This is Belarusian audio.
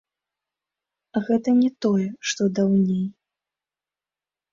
Гэта не тое, што даўней.